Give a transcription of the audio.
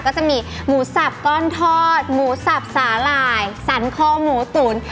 ก็จะมีหมูสับก้อนทอดหมูสับสาหร่ายสันคอหมูตุ๋น